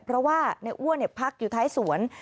เพราะว่าในอ้วนพักอยู่ท้ายสวน